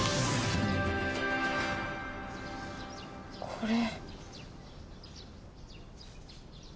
これ。